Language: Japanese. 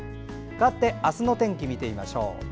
かわって明日の天気を見てみましょう。